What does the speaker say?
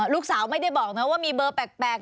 ลูกสาวไม่ได้บอกนะว่ามีเบอร์แปลก